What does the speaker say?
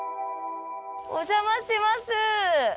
お邪魔します。